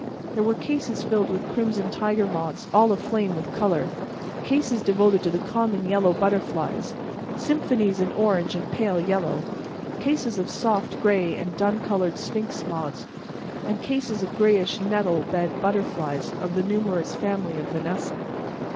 There were cases filled with crimson tiger moths all aflame with color; cases devoted to the common yellow butterflies; symphonies in orange and pale yellow; cases of soft gray and dun colored sphinx moths; and cases of grayish nettle bed butterflies of the numerous family of Vanessa.